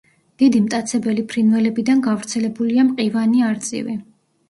დიდი მტაცებელი ფრინველებიდან გავრცელებულია მყივანი არწივი.